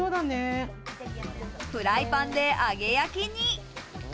フライパンで揚げ焼きに。